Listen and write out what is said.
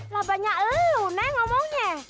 lah banyak elu neng ngomongnya